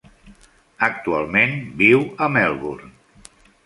Actualment viu a Melbourne.